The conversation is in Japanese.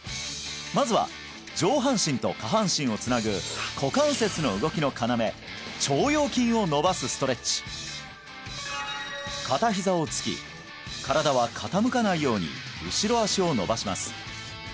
まずは上半身と下半身をつなぐ股関節の動きの要腸腰筋を伸ばすストレッチ片ひざをつき身体は傾かないように後ろ足を伸ばします